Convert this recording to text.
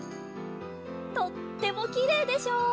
とってもきれいでしょ？